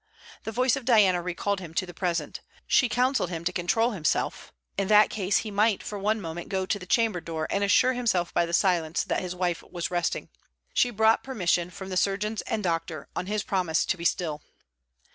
The voice of Diana recalled him to the present. She counselled him to control himself; in that case he might for one moment go to the chamber door and assure himself by the silence that his wife was resting. She brought permission from the surgeons and doctor, on his promise to be still.